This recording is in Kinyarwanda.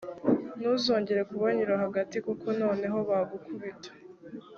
ntuzongera kubanyura hagati kuko noneho bagukubita